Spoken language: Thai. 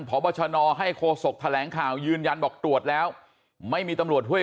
พบชนให้โฆษกแถลงข่าวยืนยันบอกตรวจแล้วไม่มีตำรวจห้วย